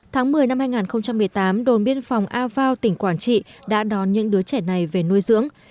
tháng một mươi năm hai nghìn một mươi tám đồn biên phòng a vau tỉnh quảng trị đã đón những đứa trẻ này về nuôi dưỡng